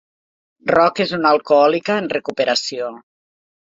Rook és una alcohòlica en recuperació.